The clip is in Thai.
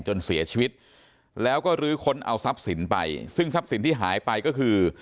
จนเสียชีวิตแล้วก็ลื้อค้นเอาทรัพย์สินไปซึ่งทรัพย์สินที่หายไปก็คือ